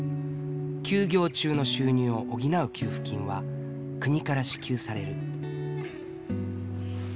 休業中の収入を補う給付金は国から支給される。